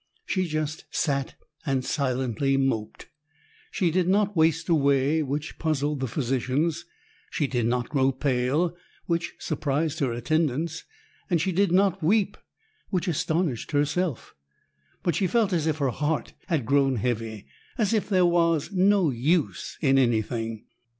She just sat and silently moped. She did not waste away, which puzzled the physicians; she did not grow pale, which surprised her attendants; and she did not weep, which astonished herself. But she felt as if her heart had grown heavy, as if there was no use in anything.